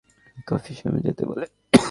তোমার কী মনে হয় মেয়েরা শুধু কফিশপেই যেতে বলে?